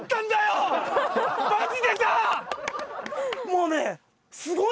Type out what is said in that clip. もうね。